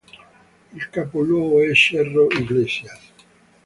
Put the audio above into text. Il capoluogo è Cerro Iglesias.